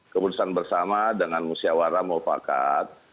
keputusan bersama dengan musyawarah mufakat